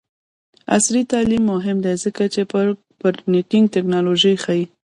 عصري تعلیم مهم دی ځکه چې د پرنټینګ ټیکنالوژي ښيي.